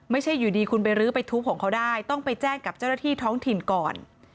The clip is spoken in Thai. ไม่ใช่อยู่ดีคุณไปรื้อไปทุบของเขาได้ต้องไปแจ้งกับเจ้าหน้าที่ท้องถิ่นก่อน